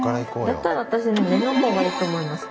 だったら私ね目の方がいいと思います。